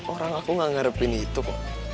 orang aku gak ngarepin itu kok